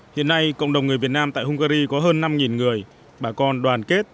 hiện nay cộng đồng người việt nam tại hungary có hơn năm người bà con đoàn kết